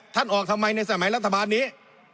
ท่านออกทำไมในสมัยรัฐบาลนี้